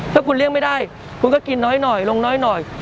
ถ้าคุณเลี่ยงไม่ได้คุณก็กินน้อยหน่อยลงน้อยหน่อย